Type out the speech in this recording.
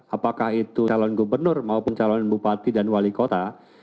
apakah itu calon gubernur maupun calon bupati dan wali kota